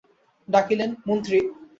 ডাকিলেন, মন্ত্রী।